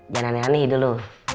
biar aneh aneh dulu